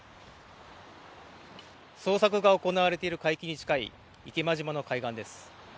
捜索が行われている海域に近い、池間島の海岸です。